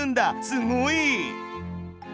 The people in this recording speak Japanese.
すごい！